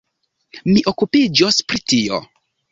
Mi okupiĝos pri tio.